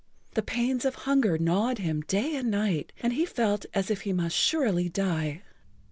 The pains of hunger gnawed him day and night and he felt as if he must surely die.